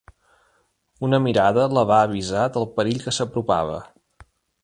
Una mirada la va avisar del perill que s'apropava.